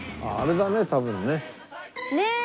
あれだね多分ね。